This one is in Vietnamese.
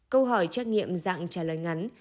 câu hỏi trắc nghiệm dạng trả lời ngắn